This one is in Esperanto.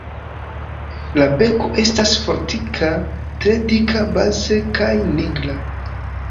La beko estas fortika, tre dika baze kaj nigra.